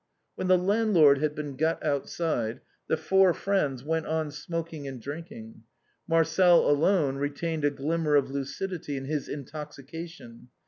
When the landlord had been got outside, the four friends went on smoking and drinking. Marcel alone retained a glimmer of lucidity in his intoxication.